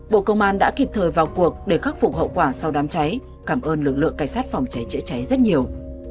bộ công an đã kịp thời vào cuộc để khắc phục hậu quả sau đám cháy cảm ơn lực lượng cảnh sát phòng cháy chữa cháy rất nhiều